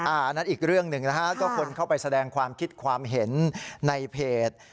อันนั้นอีกเรื่องหนึ่งนะฮะก็คนเข้าไปแสดงความคิดความเห็นในเพจ